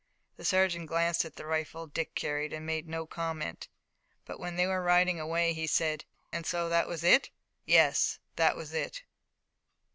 The sergeant glanced at the rifle Dick carried and made no comment. But when they were riding away, he said: "And so that was it?" "Yes, that was it."